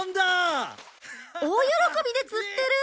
大喜びで釣ってる！